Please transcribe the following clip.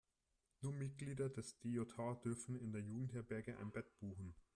Nur Mitglieder des DJH dürfen in der Jugendherberge ein Bett buchen.